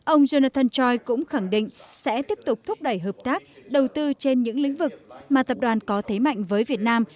ông jonathan choi cũng khẳng định sẽ tiếp tục thúc đẩy hợp tác đầu tư trên những lĩnh vực mà tập đoàn có thế mạnh với việt nam